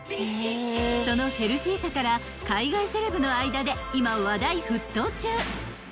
［そのヘルシーさから海外セレブの間で今話題沸騰中］